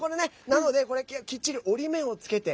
なので、きっちり折り目をつけて。